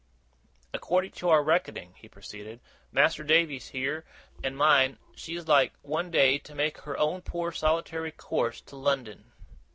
'According to our reckoning,' he proceeded, 'Mas'r Davy's here, and mine, she is like, one day, to make her own poor solitary course to London.